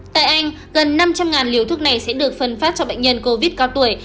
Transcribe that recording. tại anh gần năm trăm linh liều thuốc này sẽ được phân phát cho bệnh nhân covid cao tuổi